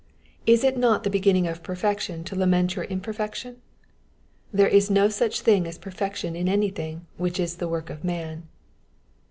Is it not the beginnmg of perfection to lament your imperfection ? There is no such thing as perfection in anything which is the work of man.